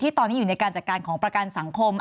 ตอนนี้อยู่ในการจัดการของประกันสังคม